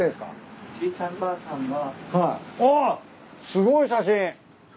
すごい写真。